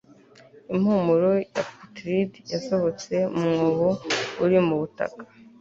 impumuro ya putrid yasohotse mu mwobo uri mu butaka